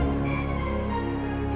iya mama keluar duluan ya